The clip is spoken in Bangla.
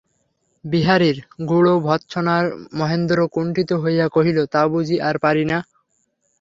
বিহারীর গূঢ় ভর্ৎসনায় মহেন্দ্র কুণ্ঠিত হইয়া কহিল, তা বুঝি আর পারি না।